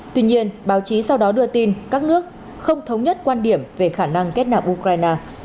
tuy nhiên báo chí sau đó đưa tin các nước không thống nhất quan điểm về khả năng kết nạp ukraine